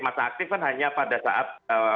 masa aktif kan hanya pada saat